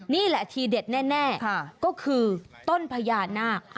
นี่แหละทีเด็ดแน่ก็คือต้นพญานาค